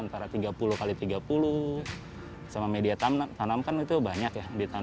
antara tiga puluh x tiga puluh sama media tanam kan itu banyak ya